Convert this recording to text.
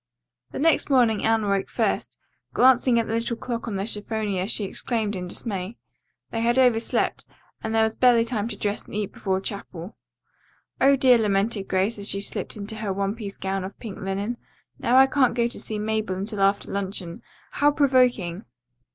The next morning Anne awoke first. Glancing at the little clock on the chiffonier she exclaimed in dismay. They had overslept, and there was barely time to dress and eat breakfast before chapel. "Oh, dear," lamented Grace as she slipped into her one piece gown of pink linen, "now I can't go to see Mabel until after luncheon. How provoking!"